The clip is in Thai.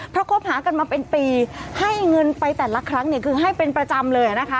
เพราะคบหากันมาเป็นปีให้เงินไปแต่ละครั้งเนี่ยคือให้เป็นประจำเลยนะคะ